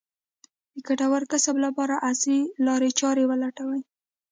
د ګټور کسب لپاره عصري لارې چارې ولټوي.